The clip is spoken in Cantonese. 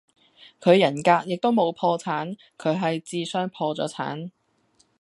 佢人格亦都冇破產，佢系智商破咗產